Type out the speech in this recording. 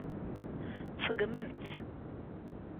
Tṣeggmemt-tt.